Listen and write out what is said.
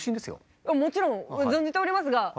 もちろん存じておりますが。